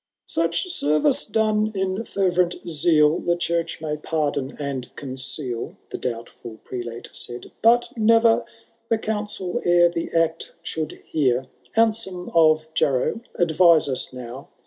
X. Such sendee done in fonrent seal The Church may pardon and oonoeal, The doubtful Prelate said, « but ne*er The counsel ero the act should hear.*— Anselm of Jairow, advise us now.